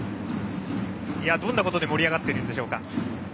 どんなことで盛り上がっているんでしょうか。